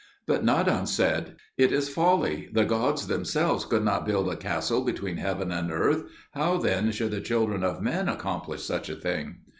But Nadan said, "It is folly! The gods themselves could not build a castle between heaven and earth; how then should the children of men accomplish such a thing?"